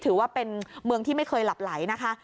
ถือว่าเป็นเมืองที่ไม่เคยหลับไหลนะคะ